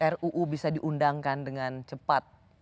ruu bisa diundangkan dengan cepat